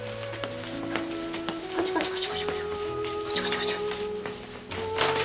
こっちこっちこっち。